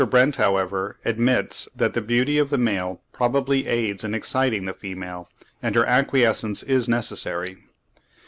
Brent, however, admits that the beauty of the male probably aids in exciting the female; and her acquiescence is necessary.